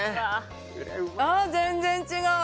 全然違う！